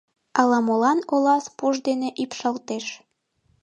Ала-молан Олас пуш дене ӱпшалтеш.